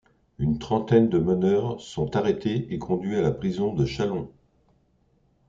Une trentaine de meneurs sont arrêtés et conduits à la prison de Châlons.